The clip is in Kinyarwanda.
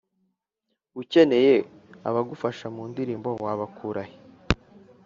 ukeneye abagufasha mu ndirimbo wabakurahe